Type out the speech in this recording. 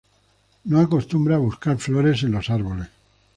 No acostumbra buscar flores en los árboles.